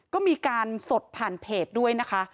ก็มีการสดผ่านเพจด้วยนะคะ